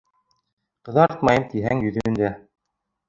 Ҡыҙартмайым тиһәң йөҙөндә